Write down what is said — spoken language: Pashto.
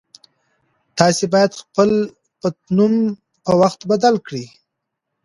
تاسي باید خپل پټنوم هر وخت بدل کړئ.